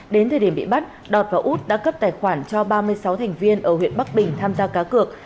đến thời điểm bị bắt đọt và út đã cấp tài khoản cho ba mươi sáu thành viên ở huyện bắc bình tham gia cá cược